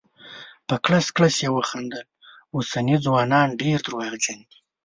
په کړس کړس یې وخندل: اوسني ځوانان ډير درواغجن دي.